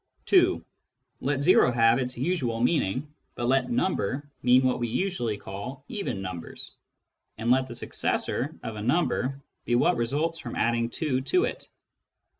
(2) Let " o " have its usual meaning, but let " number " mean what we usually call " even numbers," and let the " successor " of a number be what results from adding two to it.